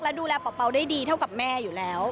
และดูแลเป่าได้ดีเท่ากับแม่อยู่แล้ว